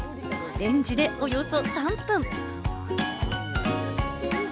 レンジでおよそ３分。